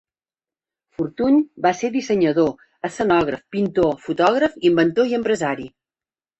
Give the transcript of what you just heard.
Fortuny va ser dissenyador, escenògraf, pintor, fotògraf, inventor i empresari.